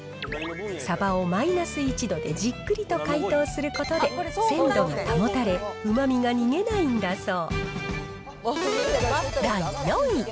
サバをマイナス１度でじっくりと解凍することで、鮮度が保たれ、うまみが逃げないんだそう。